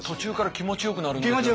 気持ちよくなるんです。